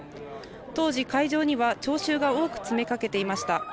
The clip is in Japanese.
当時、会場には聴衆が多く詰めかけていました。